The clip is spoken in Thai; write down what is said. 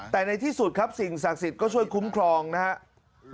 แต่ในที่สุดครับสิ่งศักดิ์สิทธิ์ก็ช่วยคุ้มครองนะครับ